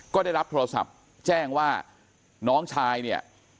ก็ได้รับโทรศัพท์แจ้งว่าน้องชายเนี่ย